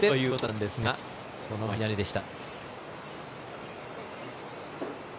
そのまま左でした。